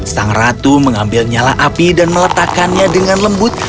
sang ratu mengambil nyala api dan meletakkannya dengan lembut